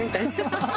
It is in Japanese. ハハハハ！